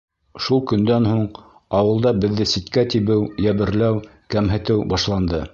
Шул көндән һуң ауылда беҙҙе ситкә тибеү, йәберләү, кәмһетеү башланды.